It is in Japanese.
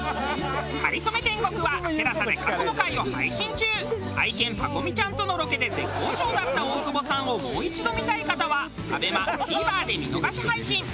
『かりそめ天国』は愛犬パコ美ちゃんとのロケで絶好調だった大久保さんをもう一度見たい方はＡＢＥＭＡＴＶｅｒで見逃し配信！